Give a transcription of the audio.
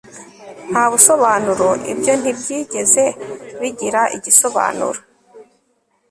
nta busobanuro, ibyo ntibyigeze bigira igisobanuro